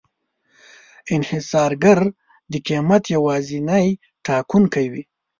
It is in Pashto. انحصارګر د قیمت یوازینی ټاکونکی وي.